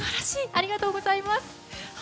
ありがとうございます。